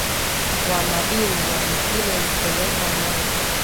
wa madini na ni ile ilipeleka rai